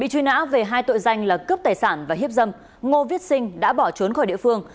hai tội danh là cướp tài sản và hiếp dâm ngô viết sinh đã bỏ trốn khỏi địa phương